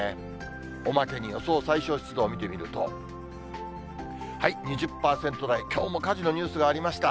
おまけに予想最小湿度を見てみると、２０％台、きょうも火事のニュースがありました。